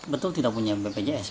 betul tidak punya bpjs